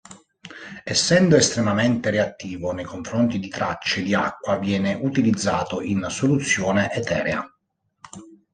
Essendo estremamente reattivo nei confronti di tracce di acqua, viene utilizzato in soluzione eterea.